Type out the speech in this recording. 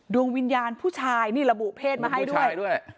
ดวงวิญญาณผู้ชายนี่ระบุเพศมาให้ด้วย